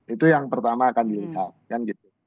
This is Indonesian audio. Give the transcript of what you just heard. itu yang pertama akan dilihat